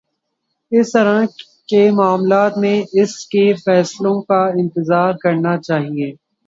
اِس طرح کے معاملات میں اُسی کے فیصلوں کا انتظار کرنا چاہیے